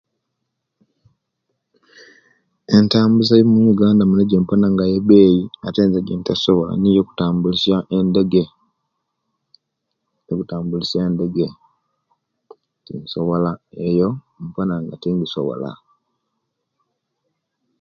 Entambula mu uganda muno ejempona nga yebeyi ate nze ejentasobola niyo okutambuza endege kutambulisya endege tinsobola eyo ampona nga tingisobola